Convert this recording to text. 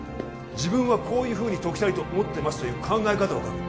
自分はこういうふうに解きたいと思ってますという考え方を書くんだ